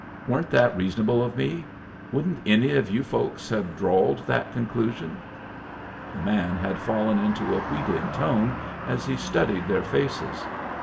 Weren't that reasonable of me? Wouldn't any of you folks hev drawed that conclusion?" The man had fallen into a wheedling tone as he studied their faces.